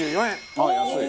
ああ安い！